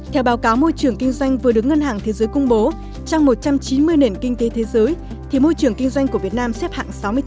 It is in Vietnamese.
theo báo cáo môi trường kinh doanh vừa được ngân hàng thế giới công bố trong một trăm chín mươi nền kinh tế thế giới thì môi trường kinh doanh của việt nam xếp hạng sáu mươi chín